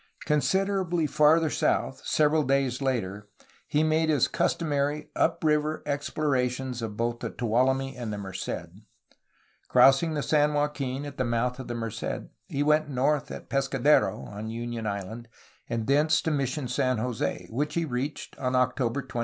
Considerably farther south, several days later, he made his customary up river explorations of both the Tuolumne and Merced. Crossing the San Joaquin at the mouth of the Merced, he went north to Pescadero (on Union Island), and thence to Mission San Jose, which he reached on October 23.